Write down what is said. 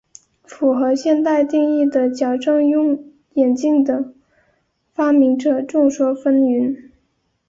符合现代定义的矫正用眼镜的发明者众说纷纭。